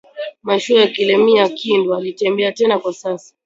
Mashuwa ya kalemie kindu aitembei tena kwa sasa